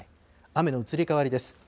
雨の移り変わりです。